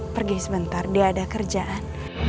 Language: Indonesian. pergi sebentar dia ada kerjaan